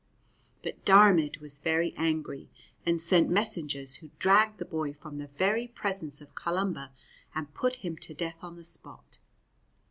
But Diarmaid was very angry and sent messengers who dragged the boy from the very presence of Columba and`put him to death on the spot.